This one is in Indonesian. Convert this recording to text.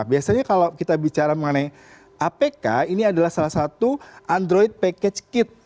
biasanya kalau kita bicara mengenai apk ini adalah salah satu android package kit